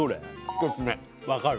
１つ目分かる